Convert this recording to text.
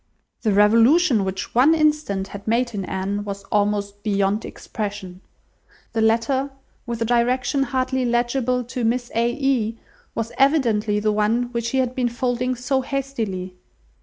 The revolution which one instant had made in Anne, was almost beyond expression. The letter, with a direction hardly legible, to "Miss A. E.—," was evidently the one which he had been folding so hastily.